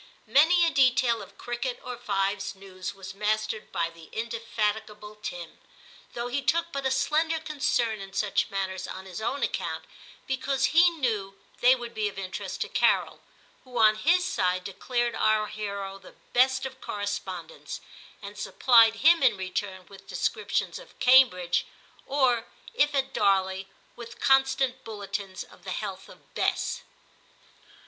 Many a detail of cricket or fives news was mastered by the indefatigable Tim, X TIM 211 — though he took but a slender concern In such matters on his own account, because he knew they would be of interest to Carol, who on his side declared our hero the best of corre spondents, and supplied him in return with descriptions of Cambridge, or, if at Darley, with constant bulletins of the health of Bess.